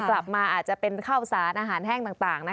กลับมาอาจจะเป็นข้าวซ้านอาหารแห้งต่าง